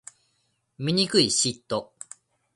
醜い嫉妬